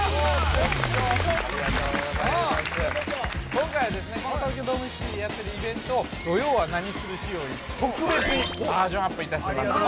今回はですね、この東京ドームシティでやっているを「土曜はナニする！？」仕様に、バージョンアップいたします。